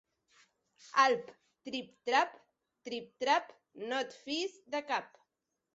Alp, trip-trap, trip-trap, no et fiïs de cap.